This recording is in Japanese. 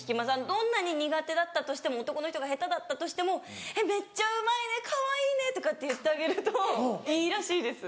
どんなに苦手だったとしても男の人が下手だったとしても「めっちゃうまいねかわいいね」とかって言ってあげるといいらしいです。